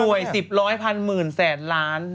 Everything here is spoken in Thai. หน่วยสิบร้อยพันหมื่นแสนล้าน